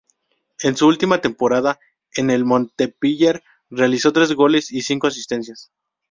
En su última temporada en el Montpellier, realizó tres goles y cinco asistencias.